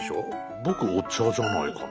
僕お茶じゃないかな。